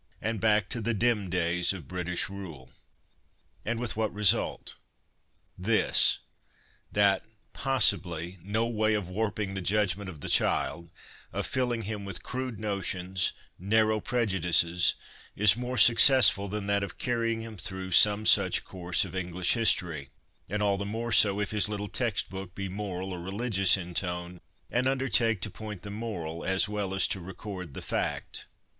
and back to the dim days of British rule. And with what result ? This : that, possibly, no way of warping the judgment of the child, of filling him with crude notions, narrow prejudices, is more successful than that of carrying him through some such course of English history ; and all the more so if his little text book be moral or religious in tone, and undertake to point the moral as well as to record the fact.